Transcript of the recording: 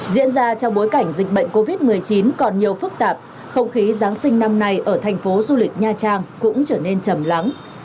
diễn ra trong bối cảnh dịch bệnh covid một mươi chín còn nhiều phức tạp không khí giáng sinh năm nay ở thành phố du lịch nha trang cũng trở nên chầm lắng